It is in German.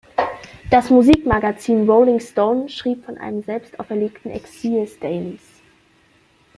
Das Musikmagazin Rolling Stone schrieb von einem „selbst auferlegten Exil“ Staleys.